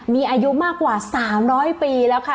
มีอายุมากกว่า๓๐๐ปีแล้วค่ะ